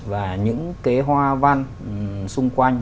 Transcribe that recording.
và những cái hoa văn xung quanh